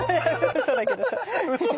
うそだけどさ！